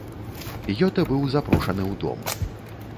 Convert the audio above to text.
Гётэ быў запрошаны ў дом.